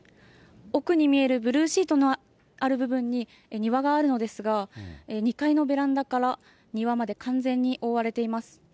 奥に見えるブルーシートのある部分に、庭があるのですが、２階のベランダから庭まで完全に覆われています。